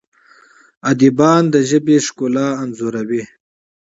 ادیبان د ژبې ښکلا انځوروي.